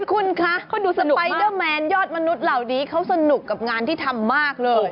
คุณคะเขาดูสไปเดอร์แมนยอดมนุษย์เหล่านี้เขาสนุกกับงานที่ทำมากเลย